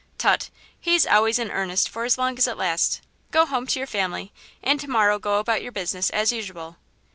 "Tut! he's always in earnest for as long as it lasts; go home to your family and to morrow go about your business as usual."